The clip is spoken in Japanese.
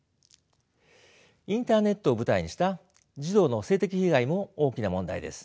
インターネットを舞台にした児童の性的被害も大きな問題です。